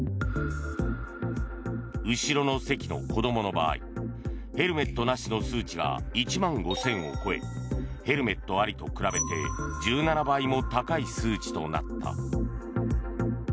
後ろの席の子どもの場合ヘルメットなしの数値が１万５０００を超えヘルメットありと比べて１７倍も高い数値となった。